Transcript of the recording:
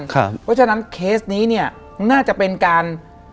เพราะฉะนั้นเคสนี้เนี่ยน่าจะเป็นการ